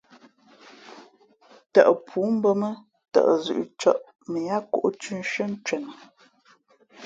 Tαʼ pǔ mbᾱ mά tαʼ zʉ̌ʼ cᾱʼ mα yáá kōʼ thʉ̄ nshʉ́ά ncwenα.